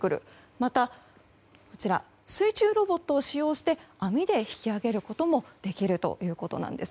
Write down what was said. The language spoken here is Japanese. また、水中ロボットを使用して網で引き揚げることもできるということです。